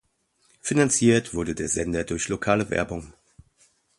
Finanziert wurde der Sender durch lokale Werbung.